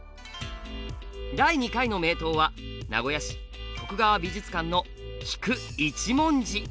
第２回の名刀は名古屋市徳川美術館の「菊一文字」。